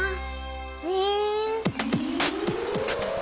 じん。